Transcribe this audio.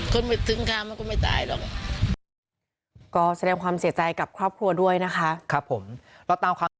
จนถึงข้ามมันก็ไม่ตายหรอก